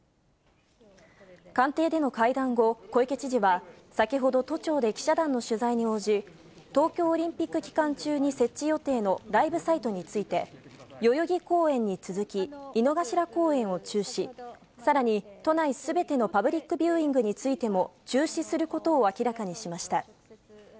官邸での会談後、小池知事は先ほど、都庁で記者団の取材に応じ、東京オリンピック期間中に設置予定のライブサイトについて、代々木公園に続き、井の頭公園を中止、さらに都内すべてのパブリックビューイングについても、中止することを明らかにしました。